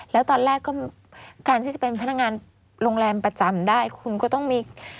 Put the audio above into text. แล้วตอนแรกการที่จะเป็นพนักงานโรงแรมประจำได้